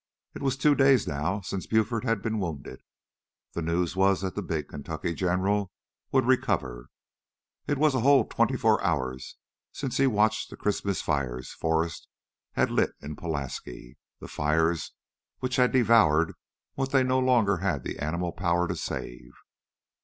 It was two days now since Buford had been wounded. The news was that the big Kentucky general would recover. And it was a whole twenty four hours since he watched the Christmas fires Forrest had lit in Pulaski, the fires which had devoured what they no longer had the animal power to save.